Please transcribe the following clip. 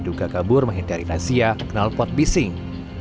juga kabur menghindari razia kenal pot bising